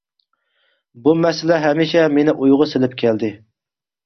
بۇ مەسىلە ھەمىشە مېنى ئويغا سېلىپ كەلدى.